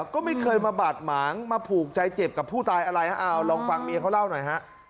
ก็ไม่เคยมาบาดหมางมาผูกใจเจ็บกับผู้ตายอะไรฮะเอาลองฟังเมียเขาเล่าหน่อยฮะ